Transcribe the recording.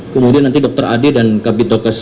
kemudian nanti dokter ade dan kabit dokes